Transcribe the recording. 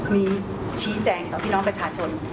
นี้ชี้แจ่งของพี่น้องประชาชน